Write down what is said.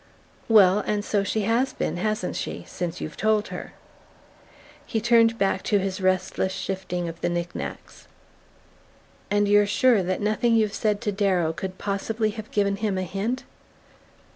"Well and so she has been, hasn't she, since you've told her?" He turned back to his restless shifting of the knick knacks. "And you're sure that nothing you've said to Darrow could possibly have given him a hint